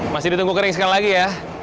masih ditunggu kering sekali lagi ya